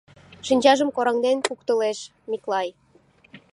— Шинчажым кораҥден, куктылеш Миклай.